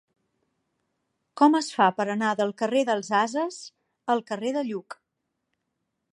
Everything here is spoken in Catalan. Com es fa per anar del carrer dels Ases al carrer de Lluc?